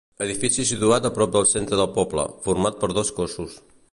Edifici situat a prop del centre del poble, format per dos cossos.